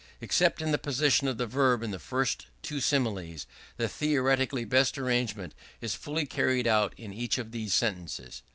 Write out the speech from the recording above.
Except in the position of the verb in the first two similes, the theoretically best arrangement is fully carried out in each of these sentences.